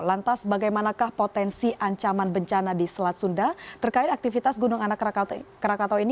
lantas bagaimanakah potensi ancaman bencana di selat sunda terkait aktivitas gunung anak rakatau ini